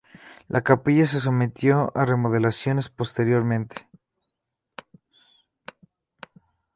La capilla se sometió a remodelaciones posteriormente.